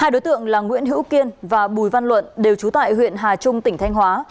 hai đối tượng là nguyễn hữu kiên và bùi văn luận đều trú tại huyện hà trung tỉnh thanh hóa